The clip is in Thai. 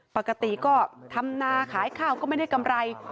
ปกติก็ทำนาขายข้าวก็ไม่ได้กำไร